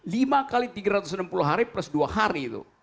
lima kali tiga ratus enam puluh hari plus dua hari itu